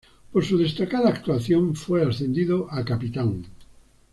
Por su destacada actuación fue ascendido a capitán.